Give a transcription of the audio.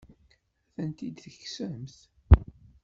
Ad tent-id-tekksemt?